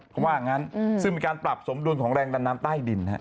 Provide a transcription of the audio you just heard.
เขาว่างั้นซึ่งมีการปรับสมดุลของแรงดันน้ำใต้ดิน